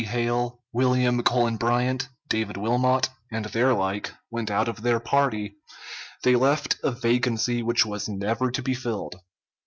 Hale, William Cullen Bryant, David Wilmot, and their like went out of their party, they left a vacancy which was never to be filled.